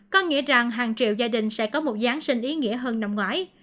có nghĩa rằng hàng triệu gia đình sẽ có một giáng sinh ý nghĩa hơn năm ngoái